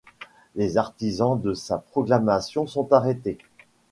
Les artisans de sa proclamation sont arrêtés.